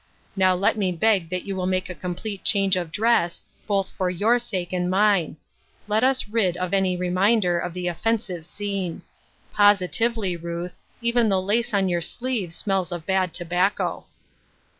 Now let me beg that you will make a complete change of dress, both for your sake and mine. Let us get rid of any reminder of the offensive scene. Positively, Ruth, even the lace on your sleeve smells of bad tobacco."